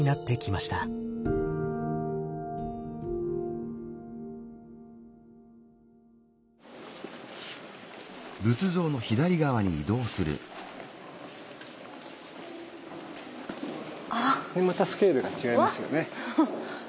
またスケールが違いますよね。